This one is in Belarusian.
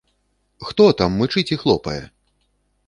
Хто там мычыць і хлопае?